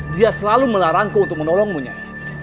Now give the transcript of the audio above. dia selalu melarangku untuk menolongmu nyai